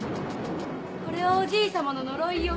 これはおじいさまの呪いよ。